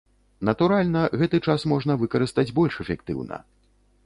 Натуральна, гэты час можна выкарыстаць больш эфектыўна.